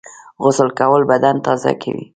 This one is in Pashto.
غسل کول بدن تازه کوي